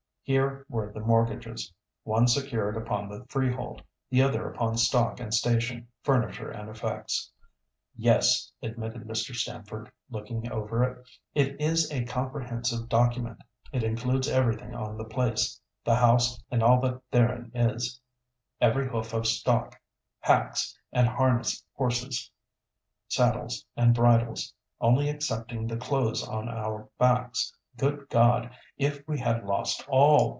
Here were the mortgages. One secured upon the freehold, the other upon stock and station, furniture and effects. "Yes!" admitted Mr. Stamford, looking over it. "It is a comprehensive document; it includes everything on the place—the house and all that therein is, every hoof of stock, hacks and harness horses, saddles and bridles—only excepting the clothes on our backs. Good God! if we had lost all!